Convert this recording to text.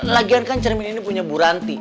lagian kan cermin ini punya bu ranti